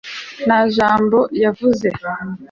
nta jambo yavuze